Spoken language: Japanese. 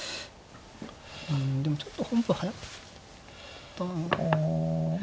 うんでもちょっと本譜早かったうん。